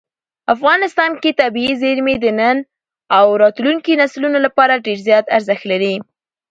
افغانستان کې طبیعي زیرمې د نن او راتلونکي نسلونو لپاره ډېر زیات ارزښت لري.